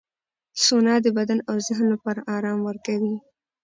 سونا د بدن او ذهن لپاره آرام ورکوي.